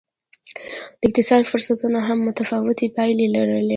د اقتصادي فرصتونو هم متفاوتې پایلې لرلې.